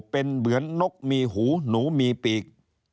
เป็นเหมือนนกมีหูหนูมีปีก